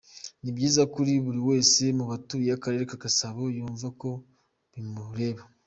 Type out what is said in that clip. Ni byiza ko buri wese mu batuye Akarere ka Gasabo yumva ko bimureba.